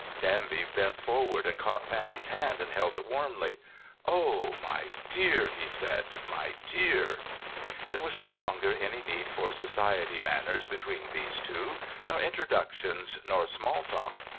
Danby bent forward and caught Fanny's hand, and held it warmly. "Oh, my dear," he said. "My dear." There was no longer any need for society manners between these two, nor introductions nor small talk.